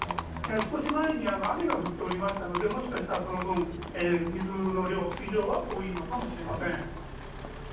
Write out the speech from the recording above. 少し前に雨が降っておりましたので、もしかしたらその分、水の量、水量は多いのかもしれません。